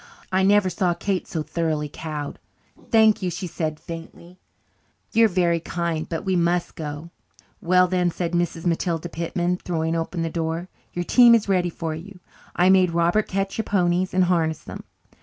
I never saw Kate so thoroughly cowed. "Thank you," she said faintly. "You are very kind, but we must go." "Well, then," said Mrs. Matilda Pitman, throwing open the door, "your team is ready for you. I made Robert catch your ponies and harness them.